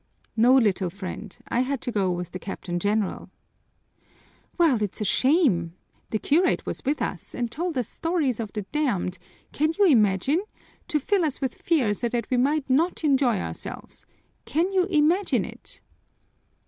"No, little friend, I had to go with the Captain General." "Well, that's a shame! The curate was with us and told us stories of the damned can you imagine it! to fill us with fear so that we might not enjoy ourselves can you imagine it!"